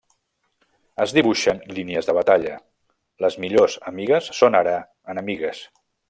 Es dibuixen línies de batalla; les millors amigues són ara enemigues.